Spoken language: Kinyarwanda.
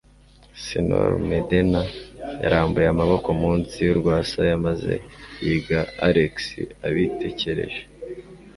Señor Medena yarambuye amaboko munsi y'urwasaya maze yiga Alex abitekereje.